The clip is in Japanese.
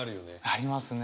ありますね。